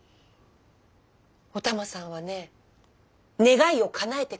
お玉さんはね願いをかなえてくれるの。